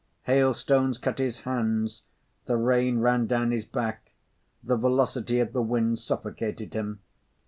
Hail stones cut his hands, the rain ran down his back, the velocity of the wind suffocated him.